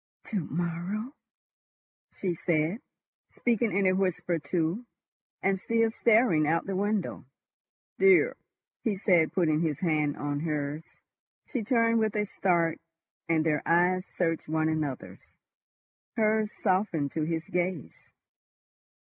"To morrow," she said, speaking in a whisper too, and still staring out of the window. "Dear!" he said, putting his hand on hers. She turned with a start, and their eyes searched one another's. Hers softened to his gaze.